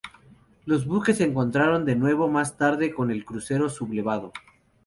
Los buques se encontraron de nuevo más tarde con el crucero sublevado.